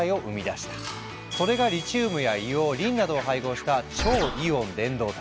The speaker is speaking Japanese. それがリチウムや硫黄リンなどを配合した「超イオン伝導体」。